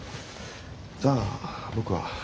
じゃあ僕は。